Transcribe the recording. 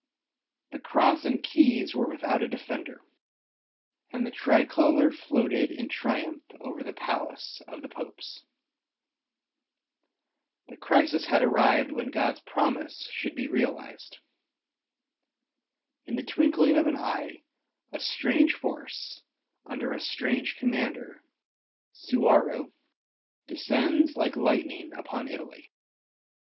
The Cross and Keys were without a defender, and the tricolour floated in triumph over the palace of the Popes. The crisis had arrived when God's promise should be realized. In the twinkling of an eye, a strange force, under a strange commander, Suwarrow, descends like lightning upon Italy.